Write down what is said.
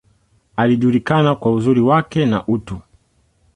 Alijulikana kwa uzuri wake, na utu.